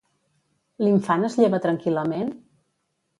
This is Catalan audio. L'infant es lleva tranquil·lament?